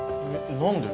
何で？